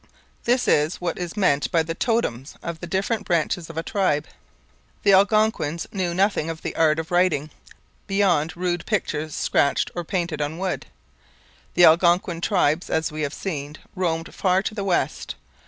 This is what is meant by the 'totems' of the different branches of a tribe. The Algonquins knew nothing of the art of writing, beyond rude pictures scratched or painted on wood. The Algonquin tribes, as we have seen, roamed far to the west.